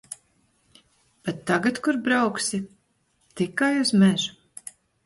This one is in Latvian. Bet tagad kur brauksi? Tikai uz mežu.